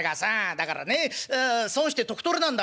だからね『損して得取れ』なんだ。